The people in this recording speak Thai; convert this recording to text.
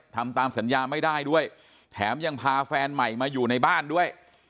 ทำตามสัญญาไม่ได้ด้วยแถมยังพาแฟนใหม่มาอยู่ในบ้านด้วย